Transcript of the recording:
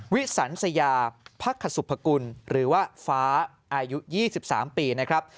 วิสันสยาพักขสุภกุลหรือว่าฟ้าอายุ๒๓ปีนะครับ